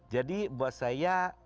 jadi buat saya